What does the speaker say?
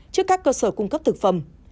trước các cơ sở cung cấp thực phẩm